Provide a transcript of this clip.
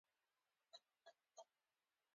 خدايکه دې ښه ورځ ورنه ولېده.